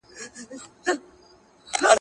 له چا څخه په زوره څه مه اخلئ.